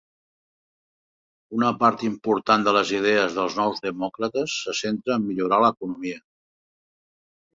Una part important de les idees dels Nous Demòcrates se centra en millorar l'economia.